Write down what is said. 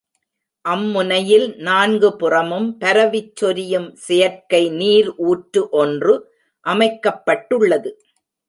அம்முனையில் நான்கு புறமும் பரவிச் சொரியும் செயற்கை நீர் ஊற்று ஒன்று அமைக்கப்பட்டுள்ளது.